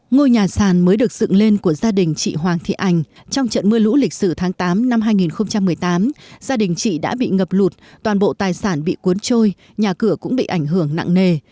ngôi nhà sàn mới được dựng lên của gia đình chị hoàng thị ảnh trong trận mưa lũ lịch sử tháng tám năm hai nghìn một mươi tám gia đình chị đã bị ngập lụt toàn bộ tài sản bị cuốn trôi nhà cửa cũng bị ảnh hưởng nặng nề